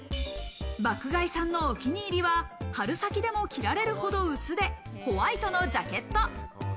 爆買いさんのお気に入りは、春先でも着られるほど薄手、ホワイトのジャケット。